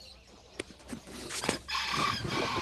Súbitamente se vio afectada por una gran fatiga.